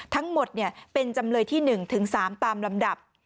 ทั้งหมดเป็นจำเลยที่๑ถึง๓ตามลำดับ